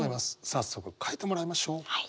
早速書いてもらいましょう。